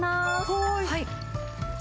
はい。